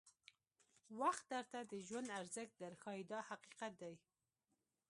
وخت درته د ژوند ارزښت در ښایي دا حقیقت دی.